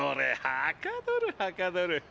はかどるはかどる！